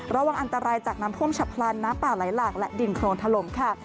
ระวังอันตรายจากน้ำท่วมฉับพลันน้ำป่าไหลหลากและดินโครนถล่มค่ะ